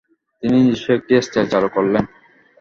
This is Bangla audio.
তিনি নিজস্ব একটি স্টাইল চালু করলেন।